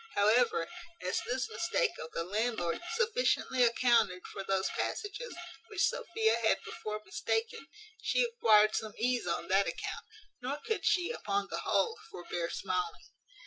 However, as this mistake of the landlord sufficiently accounted for those passages which Sophia had before mistaken, she acquired some ease on that account; nor could she, upon the whole, forbear smiling.